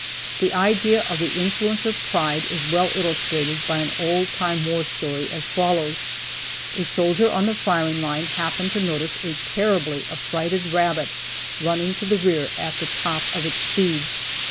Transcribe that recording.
The idea of the influence of pride is well illustrated by an old time war story, as follows: A soldier on the firing line happened to notice a terribly affrighted rabbit running to the rear at the top of its speed.